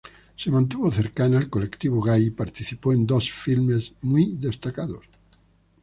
Se mantuvo cercana al colectivo gay, y participó en dos filmes muy destacados.